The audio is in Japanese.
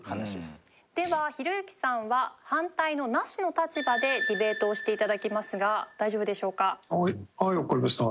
ではひろゆきさんは反対のナシの立場でディベートをして頂きますが大丈夫でしょうか？